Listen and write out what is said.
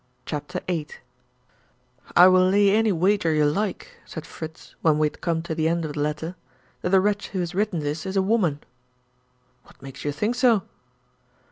CHAPTER VIII "I will lay any wager you like," said Fritz, when we had come to the end of the letter, "that the wretch who has written this is a woman." "What makes you think so?"